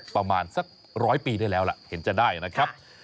ประมาณสักร้อยปีได้แล้วล่ะเห็นจะได้นะครับ